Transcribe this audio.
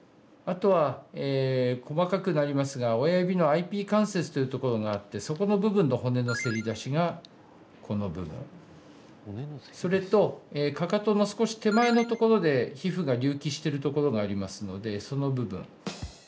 あとは細かくなりますが、親指のＩＰ関節というところがあってそこの部分の骨のせり出しがこの部分それと、かかとの少し手前のところで皮膚が隆起しているところがありますので、その部分。